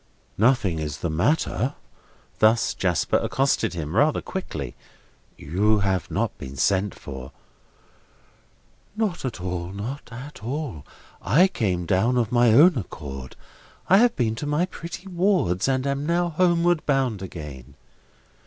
"Nothing is the matter?" Thus Jasper accosted him, rather quickly. "You have not been sent for?" "Not at all, not at all. I came down of my own accord. I have been to my pretty ward's, and am now homeward bound again."